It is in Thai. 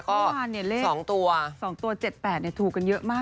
ก็๒ตัวประมาณเนี่ยเลข๒ตัว๗๘ถูกกันเยอะมาก